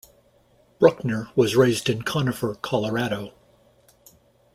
Bruckner was raised in Conifer, Colorado.